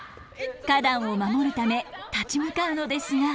花壇を守るため立ち向かうのですが。